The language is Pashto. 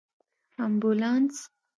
🚑 امبولانس